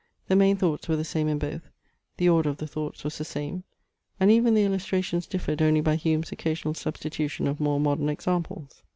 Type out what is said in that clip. The main thoughts were the same in both, the order of the thoughts was the same, and even the illustrations differed only by Hume's occasional substitution of more modern examples.